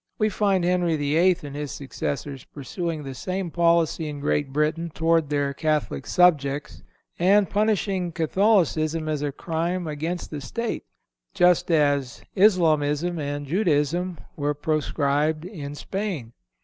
We find Henry VIII. and his successors pursuing the same policy in Great Britain toward their Catholic subjects and punishing Catholicism as a crime against the state, just as Islamism and Judaism were proscribed in Spain.